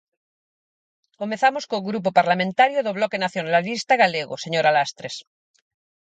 Comezamos co Grupo Parlamentario do Bloque Nacionalista Galego, señora Lastres.